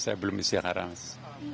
saya belum istiqara mas